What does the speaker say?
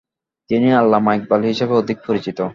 তিনি আল্লামা ইকবাল হিসেবেই অধিক পরিচিত।